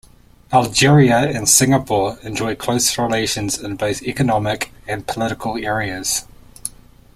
Algeria and Singapore enjoy close relations in both economic and political areas.